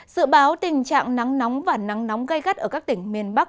dự báo tình trạng nắng nóng và nắng nóng gây gắt ở các tỉnh miền bắc